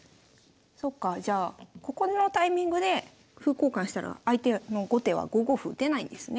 そっかじゃあここのタイミングで歩交換したら相手の後手は５五歩打てないんですね。